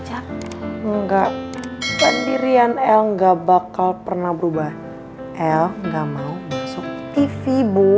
kecap enggak bandirian l nggak bakal pernah berubah l nggak mau masuk tv bu